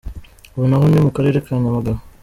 Ubu naho ni mu Karere ka Nyamagabe.